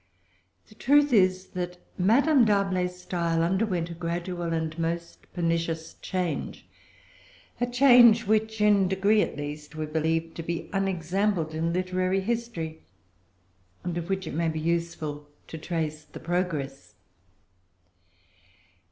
The truth is, that Madame D'Arblay's style underwent a gradual and most pernicious change, a change which, in degree at least, we believe to be unexampled in literary history, and of which it may be useful to trace the progress.